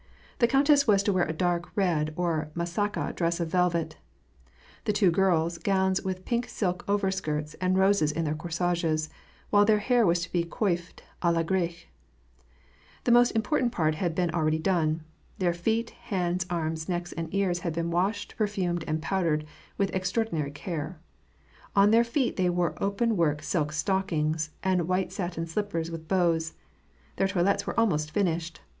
The countess was to wear a dark red or masakd dress of velvet; the two girls, gowns with pink silk overskirts, and i oses in their corsages, while their hair was to be coiffred a Ut grecque. The most important part had been already done : their feet, liands, arms, necks, and ears had been washed, perfumed, and powdered with extraordinary^ care. On their feet they wore o])en w^ork silk stockings, and white satin slippers with bows. Their toilettes were almost finished.